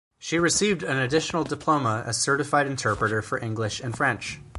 She received an additional diploma as certified interpreter for English and French.